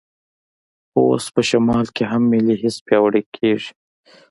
خو اوس په شمال کې هم ملي حس پیاوړی کېږي.